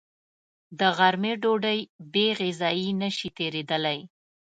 د غرمې ډوډۍ بېغذايي نشي تېرېدلی